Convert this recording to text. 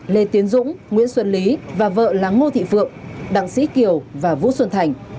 lê tiến dũng nguyễn xuân lý và vợ là ngô thị phượng đặng sĩ kiều và vũ xuân thành